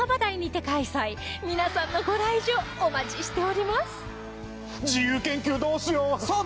皆さんのご来場お待ちしております